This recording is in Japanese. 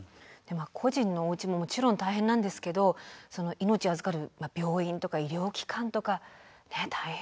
個人のおうちももちろん大変なんですけど命を預かる病院とか医療機関とかね大変。